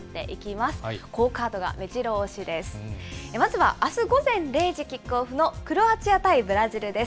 まずはあす午前０時キックオフのクロアチア対ブラジルです。